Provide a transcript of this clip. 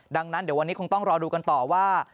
ดังนั้นเดี๋ยววันนี้คงต้องรอดูกันต่อว่า